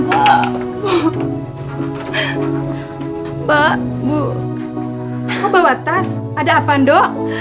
pak bu pak bu kok bawa tas ada apaan dong